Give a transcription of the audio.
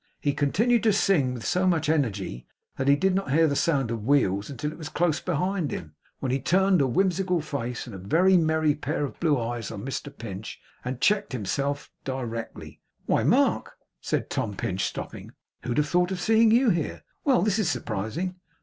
He continued to sing with so much energy, that he did not hear the sound of wheels until it was close behind him; when he turned a whimsical face and a very merry pair of blue eyes on Mr Pinch, and checked himself directly. 'Why, Mark?' said Tom Pinch, stopping. 'Who'd have thought of seeing you here? Well! this is surprising!